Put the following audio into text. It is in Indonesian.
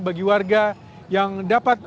bagi warga yang dapat